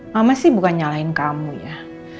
mama sih bukan nyalahin kamu ya